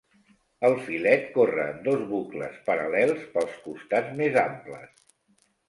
El filet corre, en dos bucles paral·lels, pels costats més amples.